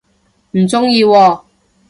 唔鍾意喎